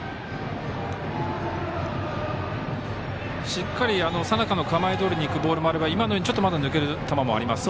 しっかり佐仲の構えどおりにいくボールもあれば今のようにちょっと抜ける球もありますか。